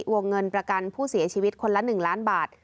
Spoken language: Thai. วงเงินประกันผู้เสียชีวิตคนละ๑ล้านบาท